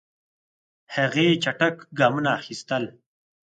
هغې چټک ګامونه اخیستل.